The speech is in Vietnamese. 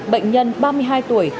bệnh nhân ba mươi hai tuổi